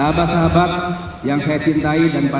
sahabat sahabat yang saya cintai dan pak